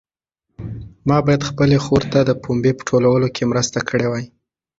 ما باید خپلې خور ته د پنبې په ټولولو کې مرسته کړې وای.